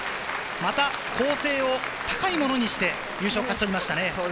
また構成を高いものにして優勝を勝ち取りました。